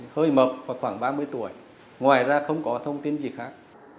hơi mập vào khoảng ba mươi tuổi ngoài ra không có thông tin gì khác